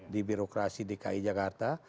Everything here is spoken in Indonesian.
di birokrasi dki jakarta